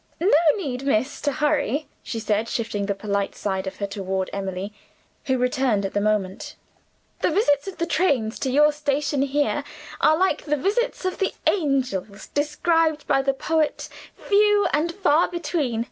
No need, miss, to hurry," she said, shifting the polite side of her toward Emily, who returned at the moment. "The visits of the trains to your station here are like the visits of the angels described by the poet, 'few and far between.